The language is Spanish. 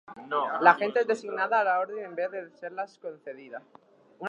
La gente es designada a la Orden en vez de serles concedida.